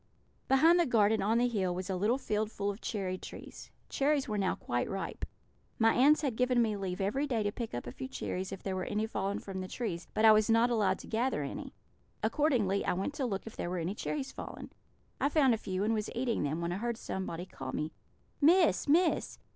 "Behind the garden, on the hill, was a little field full of cherry trees. Cherries were now quite ripe. My aunts had given me leave every day to pick up a few cherries if there were any fallen from the trees, but I was not allowed to gather any. Accordingly I went to look if there were any cherries fallen. I found a few, and was eating them, when I heard somebody call me, 'Miss! Miss!'